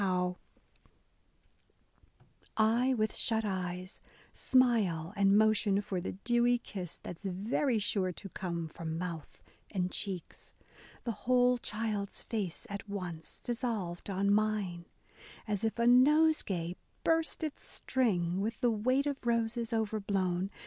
BROWNING — I, with shut eyes, smile and motion for The dewy kiss that's very sure to come From mouth and cheeks, the whole child's face at once Dissolved on mine, — as if a nosegay burst Its string with the weight of roses over blown.